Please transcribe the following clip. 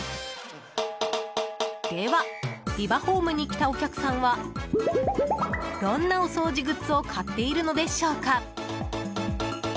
では、ビバホームに来たお客さんはどんなお掃除グッズを買っているのでしょうか。